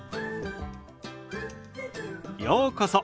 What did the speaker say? ようこそ。